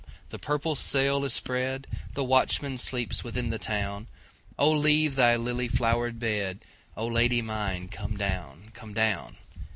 the purple sail is spread, The watchman sleeps within the town,O leave thy lily flowered bed,O Lady mine come down, come down!